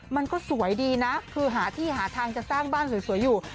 มันก็สวยดีนะคือหาที่หาทางจะสร้างบ้านสวยอยู่